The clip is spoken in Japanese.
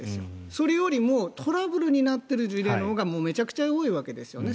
それよりもトラブルになっている事例のほうがめちゃくちゃ多いわけですよね。